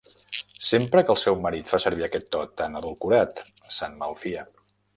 Sempre que el seu marit fa servir aquest to tan edulcorat se'n malfia.